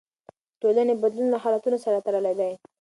د ټولنې بدلون له حالتونو سره تړلی دی.